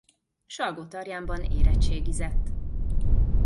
Salgótarjánban érettségizett.